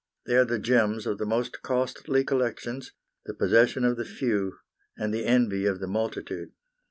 They are the gems of the most costly collections, the possession of the few, and the envy of the multitude.